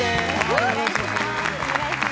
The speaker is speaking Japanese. お願いします。